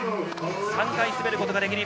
３回滑ることができる